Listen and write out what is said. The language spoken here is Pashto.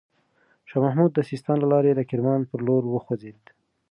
شاه محمود د سیستان له لاري د کرمان پر لور وخوځېد.